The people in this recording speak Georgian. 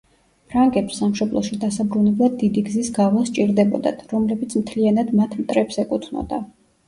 ფრანგებს სამშობლოში დასაბრუნებლად დიდი გზის გავლა სჭირდებოდათ, რომლებიც მთლიანად მათ მტრებს ეკუთვნოდა.